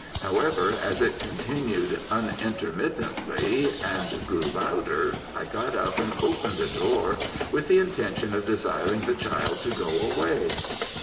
However, as it continued unintermittingly, and grew louder, I got up and opened the door, with the intention of desiring the child to go away.